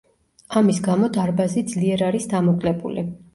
ამის გამო დარბაზი ძლიერ არის დამოკლებული.